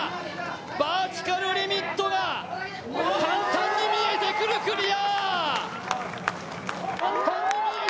バーティカルリミットが簡単に見えてくるクリア！